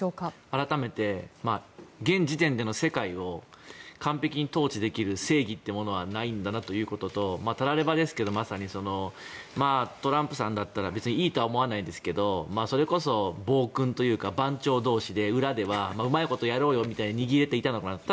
改めて現時点での世界を完璧に統治できる正義というものはないんだなということとたらればですがまさにトランプさんだったら別にいいとは思わないんですがそれこそ暴君というか番長同士で裏ではうまいことやろうよみたいに握り合っていたのかなと。